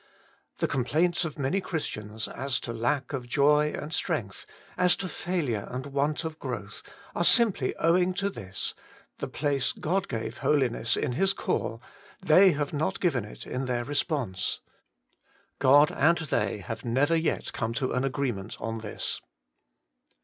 The complaints of many Christians as to lack of joy and strength, as to failure and want of growth, are simply owing to this the place God gave Holiness in His call they have not given it in their response. God and they have never yet come to an agreement on this.